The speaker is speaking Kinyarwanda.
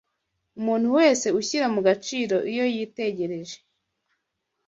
Umuntu wese ushyira mu gaciro iyo yitegereje